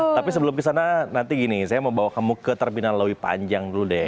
tapi sebelum kesana nanti gini saya mau bawa kamu ke terminal lowy panjang dulu deh